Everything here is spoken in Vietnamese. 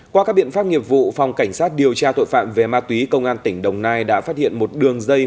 qua các biện pháp nghiệp vụ phòng cảnh sát điều tra tội phạm về ma túy công an tỉnh đồng nai đã phát hiện một đường dây